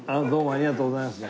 ありがとうございます。